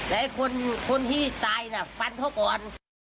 และคนที่ตายน่ะฟันเขาก่อน